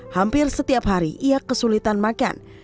hampir setiap hari ia kesulitan makan